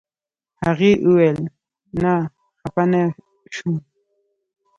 هغې ویل نه خپه نه شوم.